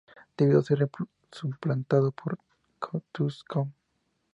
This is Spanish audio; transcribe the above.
Debió ser suplantado por Koh Tsu Koon.